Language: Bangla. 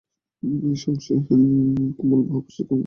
এই সংশয়হীন কোমল বাহুপাশ সে কেমন করিয়া বিচ্ছিন্ন করিবে?